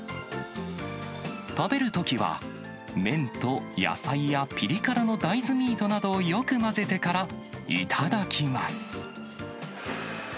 食べるときは、麺と野菜やピリ辛の大豆ミートなどをよく混ぜてから頂きます。